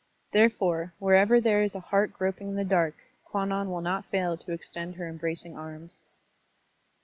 Therefore, wherever there is a heart groping in the dark, Kwannon will not fail to extend her embracing arms.